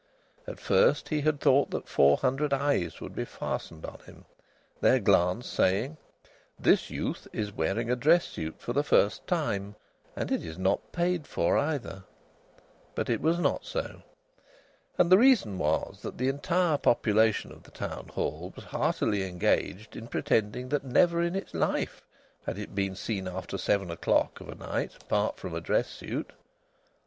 At first he had thought that four hundred eyes would be fastened on him, their glance saying, "This youth is wearing a dress suit for the first time, and it is not paid for, either!" But it was not so. And the reason was that the entire population of the Town Hall was heartily engaged in pretending that never in its life had it been seen after seven o'clock of a night apart from a dress suit.